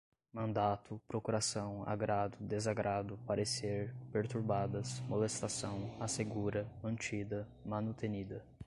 mandato, procuração, agrado, desagrado, parecer, perturbadas, molestação, assegura, mantida, manutenida